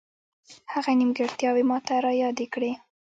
هغه نیمګړتیاوې ماته را یادې کړې.